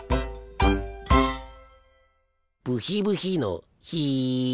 ブヒブヒのヒ。